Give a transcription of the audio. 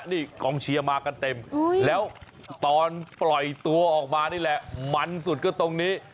นี่กองเชียร์มากันเต็มแล้วตอนปล่อยตัวออกมานี่แหละมันสุดก็ตรงนี้